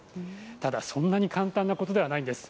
ただ、そんなに簡単なことではないんです。